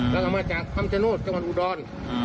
แล้วก็มาจากคำชโนธจังหวัดอุดร